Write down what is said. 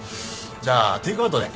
じゃあテイクアウトで。